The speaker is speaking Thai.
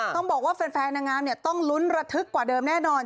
ต้องบอกว่าแฟนนางงามต้องลุ้นระทึกกว่าเดิมแน่นอน